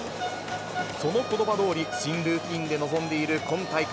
そのことばどおり、新ルーティンで臨んでいる今大会。